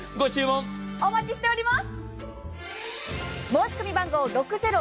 お待ちしております。